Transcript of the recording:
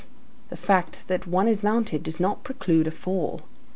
the fact that one is mounted does not preclude a fall.